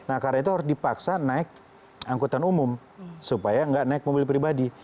nah karena itu harus dipaksa naik angkutan umum supaya nggak naik mobil pribadi